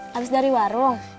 habis dari warung